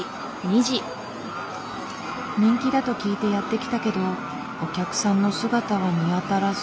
人気だと聞いてやって来たけどお客さんの姿は見当たらず。